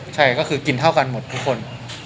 ใช่ก็คือกินเท่ากันหมดทุกคน